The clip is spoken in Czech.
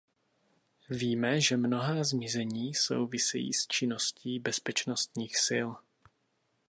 Víme, že mnohá zmizení souvisejí s činností bezpečnostních sil.